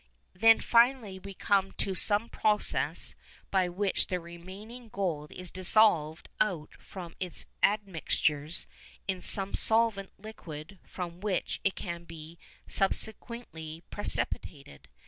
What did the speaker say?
Then finally we come to some process by which the remaining gold is dissolved out from its admixtures in some solvent liquid from which it can be subsequently precipitated.